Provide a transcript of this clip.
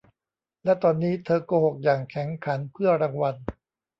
และตอนนี้เธอโกหกอย่างแข็งขันเพื่อรางวัล